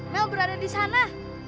mel berada di sana